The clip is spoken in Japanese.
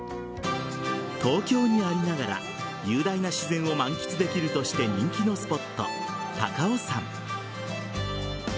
東京にありながら雄大な自然を満喫できるとして人気のスポット高尾山。